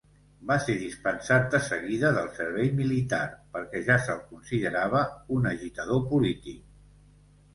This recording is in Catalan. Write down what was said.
Va ser dispensat de seguida del servei militar perquè ja se'l considerava un agitador polític.